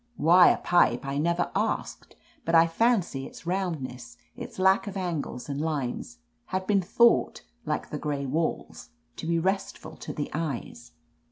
Why a pipe, I never asked, but I fancy its roundness, its lack of angles and lines, had been thought, like the gray walls, to be restful to the eyes.